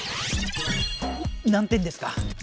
何点ですか？